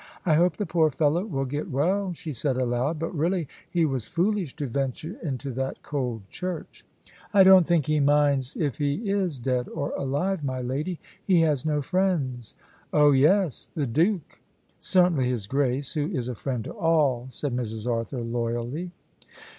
"I hope the poor fellow will get well," she said aloud; "but really, he was foolish to venture into that cold church." "I don't think he minds if he is dead or alive, my lady. He has no friends." "Oh yes, the Duke " "Certainly his Grace, who is a friend to all," said Mrs. Arthur loyally.